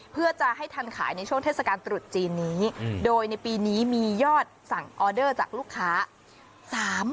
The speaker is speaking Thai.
เพื่อจะให้ทันขายในช่วงเทศกาลตรุษจีนนี้โดยในปีนี้มียอดสั่งออเดอร์จากลูกค้า